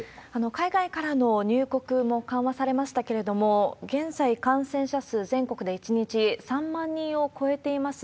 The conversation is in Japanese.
海外からの入国も緩和されましたけれども、現在、感染者数、全国で１日３万人を超えています。